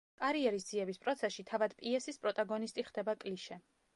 კარიერის ძიების პროცესში, თავად პიესის პროტაგონისტი ხდება კლიშე.